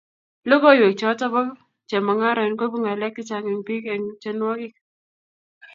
Logoywek choto bo chemangarain-- koibu ngalek chechang eng biik-eng tyenwogik